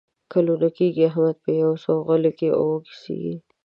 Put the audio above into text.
کلونه کېږي احمد په یوه سوغلۍ کې اوسېږي.